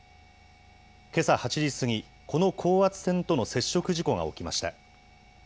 けさ８時過ぎ、この高圧線との接触事故が起きました。